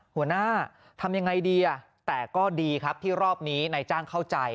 หัวหน้าทำยังไงดีแต่ก็ดีครับที่รอบนี้นายจ้างเข้าใจ